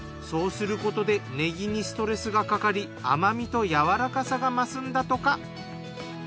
そうすることでねぎにストレスがかかり甘みと柔らかさが増すんだとか。